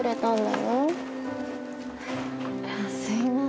すいません。